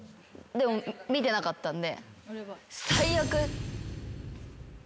でも見てなかったんで。